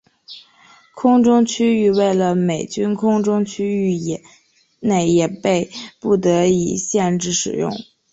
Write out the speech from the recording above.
空中区域为了美军空中区域内也被不得已限制使用。